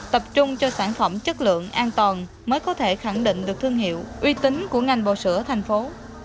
tập trung cho sản phẩm chất lượng an toàn mới có thể khẳng định được thương hiệu uy tín của ngành bò sữa thành phố